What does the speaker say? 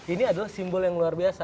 ini adalah simbol yang luar biasa